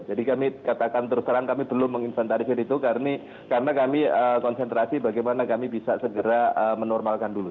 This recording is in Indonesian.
jadi kami katakan tersebarang kami belum mengincentrifikan itu karena kami konsentrasi bagaimana kami bisa segera menormalkan dulu